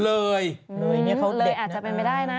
เลยเนี่ยอาจจะเป็นไม่ได้นะ